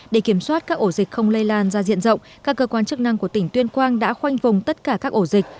để kiểm soát các ổ dịch không lây lan ra diện rộng các cơ quan chức năng của tỉnh tuyên quang đã khoanh vùng tất cả các ổ dịch